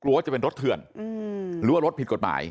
ว่าจะเป็นรถเถื่อนหรือว่ารถผิดกฎหมาย